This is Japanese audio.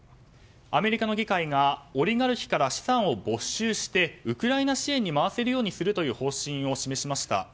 アメリカの議会がオリガルヒから資産を没収してウクライナ支援に回せるようにするという方針を示しました。